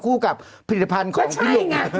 คู่กับผลิตภัณฑ์ของพี่หนุ่มไม่ใช่ไง